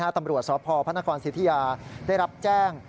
ตำรวจสพพระนครสิทธิยาได้รับแจ้ง